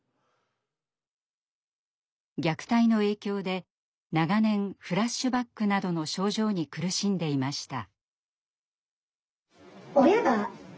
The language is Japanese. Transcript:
虐待の影響で長年フラッシュバックなどの症状に苦しんでいました。